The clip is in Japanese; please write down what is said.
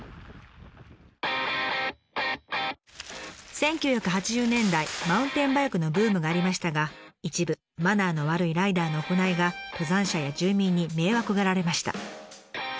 １９８０年代マウンテンバイクのブームがありましたが一部マナーの悪いライダーの行いが登山者や住民に迷惑がられました。